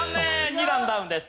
２段ダウンです。